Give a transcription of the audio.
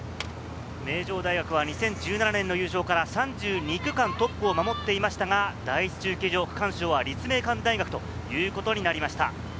名城大学は２０１７年の優勝から３２区間トップを守っていましたが、第１中継所、区間賞は立命館大学ということになりました。